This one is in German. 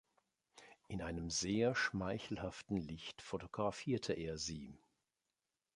In einem sehr schmeichelhaften Licht fotografierte er sie.